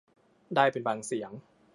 ได้เป็นบางเสียง